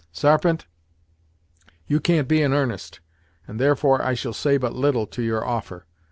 Sarpent, you can't be in airnest, and therefore I shall say but little to your offer.